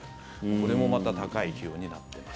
これもまた高い気温になっています。